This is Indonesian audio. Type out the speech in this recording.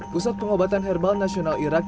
pusat pengobatan herbal nasional irak